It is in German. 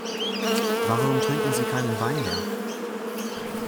Warum trinken sie keinen Wein mehr?